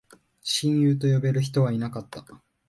親友と呼べる人はいなかった